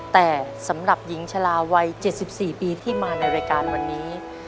แต่สำหรับหญิงชะลาวัย๗๔ปีที่มาในรายการวันนี้